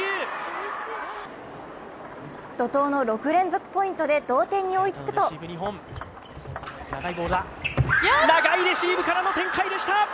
怒とうの６連続ポイントで同点に追いつくと長いレシーブからの展開でした！